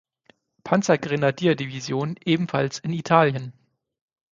Panzergrenadier-Division, ebenfalls in Italien.